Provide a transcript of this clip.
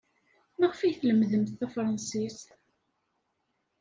Maɣef ay tlemdemt tafṛansit?